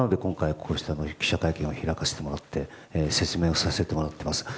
なので今回、こうした記者会見を開かせてもらって説明をさせてもらっています。